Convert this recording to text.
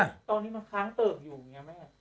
ตอนนี้มันค้างเติบอยู่ไงแล้วแม่